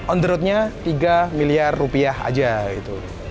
on the roadnya tiga miliar rupiah aja gitu